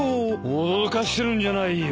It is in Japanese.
脅かしてるんじゃないよ。